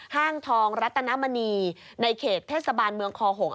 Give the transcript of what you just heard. ห้างทองรัตนมณีในเขตเทศบาลเมืองคอหง